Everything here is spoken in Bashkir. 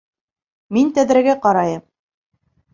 Мин тәҙрәгә ҡарайым.